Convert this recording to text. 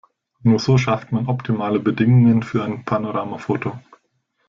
Nur so schafft man optimale Bedingungen für ein Panoramafoto.